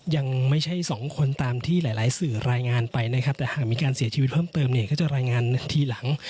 ยังไม่ใช่สองคนตามที่หลายสื่อรายงานไปนะครับแต่หากมีการเสียชีวิตเพิ่มเติมเนี่ยก็จะรายงานนาทีหลัง